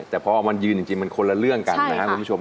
แต่เพราะว่ามันยืนจริงมันคนละเรื่องกันนะคุณผู้ชม